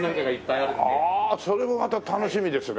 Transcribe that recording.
ああそれもまた楽しみですね。